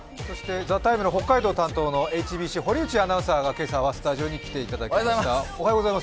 「ＴＨＥＴＩＭＥ，」の北海道担当、ＨＢＣの堀内アナウンサーが今朝はスタジオに来ていただきました。